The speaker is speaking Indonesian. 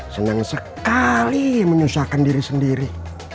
senang sekali menyusahkan diri sendiri